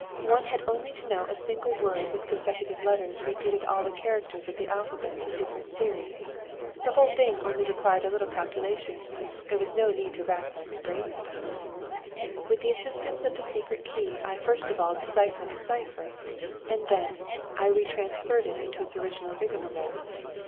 One had only to know a single word whose consecutive letters repeat all the characters of the alphabet in different series. The whole thing only required a little calculation; there was no need to rack one's brains about it. With the assistance of the secret key I first of all deciphered the cipher, and then I retransferred it into its original rigmarole."